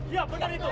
ya benar itu